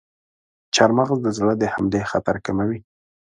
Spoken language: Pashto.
چارمغز د زړه د حملې خطر کموي.